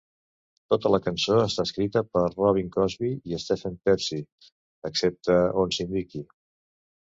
Tota la cançó està escrita per Robbin Crosby i Stephen Pearcy, excepte on s'indiqui.